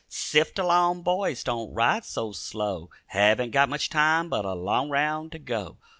"Sift along, boys, don't ride so slow; Haven't got much time but a long round to go.